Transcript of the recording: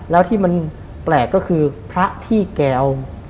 แล้วที่มันแปลกก็คือพระที่แก้ว